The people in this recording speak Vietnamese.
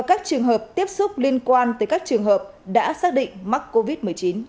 các trường hợp tiếp xúc liên quan tới các trường hợp đã xác định mắc covid một mươi chín